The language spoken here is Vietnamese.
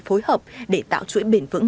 phối hợp để tạo chuỗi bền vững